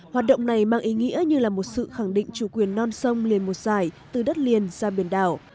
hoạt động này mang ý nghĩa như là một sự khẳng định chủ quyền non sông liền một dài từ đất liền ra biển đảo